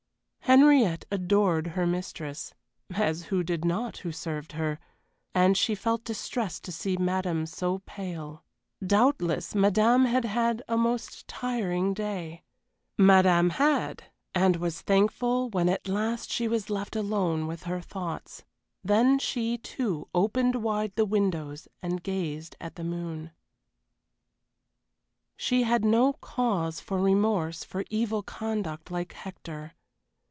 Henriette adored her mistress as who did not who served her? and she felt distressed to see madame so pale. Doubtless madame had had a most tiring day. Madame had, and was thankful when at last she was left alone with her thoughts. Then she, too, opened wide the windows and gazed at the moon. She had no cause for remorse for evil conduct like Hector.